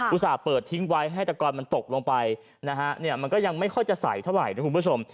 ส่าห์เปิดทิ้งไว้ให้ตะกอนมันตกลงไปนะฮะเนี่ยมันก็ยังไม่ค่อยจะใส่เท่าไหร่นะคุณผู้ชม